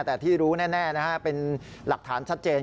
แต่ที่รู้แน่นะฮะเป็นหลักฐานชัดเจน